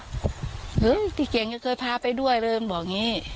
เฮ้ยพี่เก่งยังเคยพาไปด้วยเลยบอกอย่างนี้